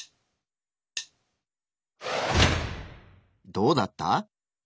どうだった？